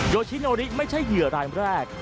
ชิโนริไม่ใช่เหยื่อรายแรก